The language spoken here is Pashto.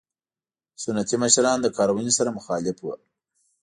سنتي مشران له کارونې سره مخالف وو.